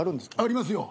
ありますよ。